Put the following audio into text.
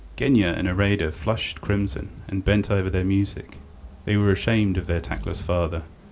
Genya and Iraida flushed crimson, and bent over their music; they were ashamed of their tactless father.